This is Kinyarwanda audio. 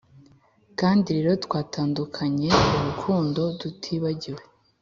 kandi rero twatandukanye, urukundo, tutibagiwe